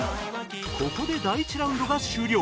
ここで第１ラウンドが終了